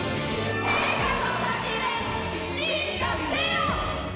・変化の先で進化せよ！